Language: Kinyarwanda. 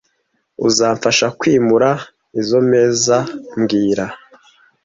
Uzamfasha kwimura izoi meza mbwira